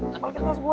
kapal kecap emang gue